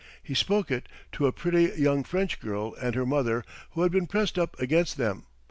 He spoke it to a pretty young French girl and her mother who had been pressed up against them.